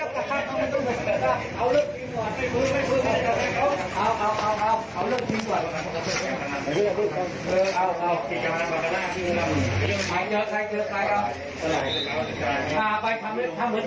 คนไหนเจอเหี้ยคนไหน